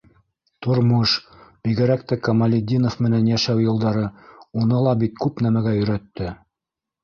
Тормош, бигерәк тә Камалетдинов менән йәшәү йылдары, уны ла бит күп нәмәгә өйрәтте.